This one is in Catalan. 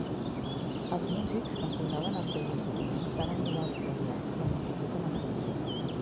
Els músics que enfundaven els seus instruments varen mirar esglaiats la multitud amenaçadora.